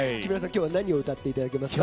今日は何を歌っていただけますか？